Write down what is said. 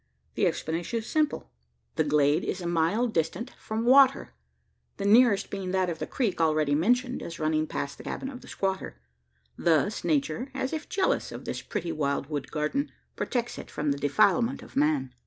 The explanation is simple: the glade is a mile distant from water the nearest being that of the creek already mentioned as running past the cabin of the squatter. Thus Nature, as if jealous of this pretty wild wood garden, protects it from the defilement of man.